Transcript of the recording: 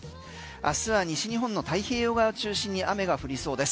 明日は西日本の太平洋側中心に雨が降りそうです。